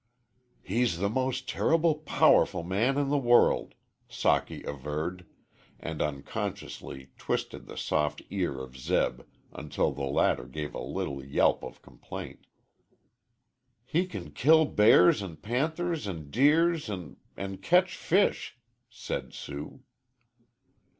"He's the most terrible powerful man in the world," Socky averred, and unconsciously twisted the soft ear of Zeb until the latter gave a little yelp of complaint. "He can kill bears an' panthers an' deers an' an' ketch fish," said Sue.